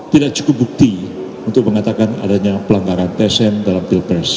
tidak cukup bukti untuk mengatakan adanya pelanggaran tcn dalam pilpres